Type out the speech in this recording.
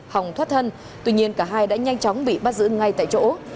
hòng thoát thân tuy nhiên cả hai đã nhanh chóng bị bắt giữ ngay tại chỗ